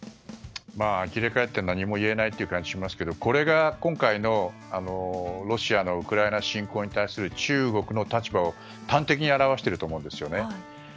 あきれ返って何も言えないという感じがしますがこれが今回のロシアのウクライナ侵攻に対する中国の立場を端的に表していると思うんですよね。